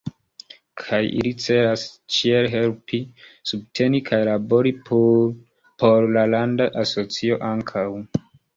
Kaj ili celas ĉiel helpi, subteni kaj labori por la landa asocio ankaŭ.